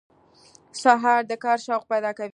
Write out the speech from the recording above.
سهار د کار شوق پیدا کوي.